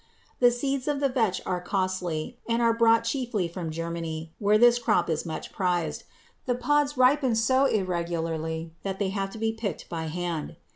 The seeds of the vetch are costly and are brought chiefly from Germany, where this crop is much prized. The pods ripen so irregularly that they have to be picked by hand.